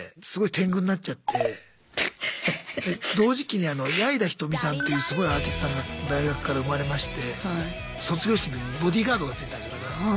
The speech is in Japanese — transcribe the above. それですごい同時期に矢井田瞳さんっていうすごいアーティストさんが大学から生まれまして卒業式の時にボディーガードがついてたんですよ。